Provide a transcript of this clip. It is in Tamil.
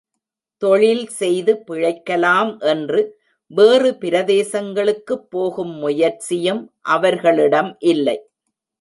தொழில் செய்து பிழைக்கலாம் என்று வேறு பிரதேசங்களுக்குப் போகும் முயற்சியும் அவர்களிடம் இல்லை.